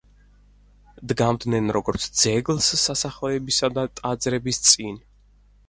დგამდნენ როგორც ძეგლს სასახლეებისა და ტაძრების წინ.